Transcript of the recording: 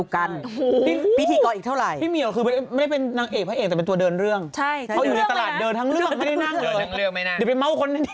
คุณพิชันเนี่ยนะ